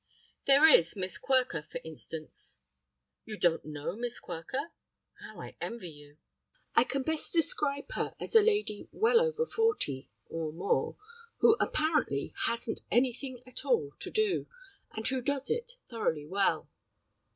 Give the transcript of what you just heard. There is Miss Quirker, for instance. You don't know Miss Quirker? How I envy you! I can best describe her as a lady well over forty (or more), who apparently hasn't anything at all to do, and who does it thoroughly well.